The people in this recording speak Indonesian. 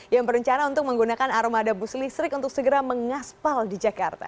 yang berencana untuk menggunakan armada bus listrik untuk segera mengaspal di jakarta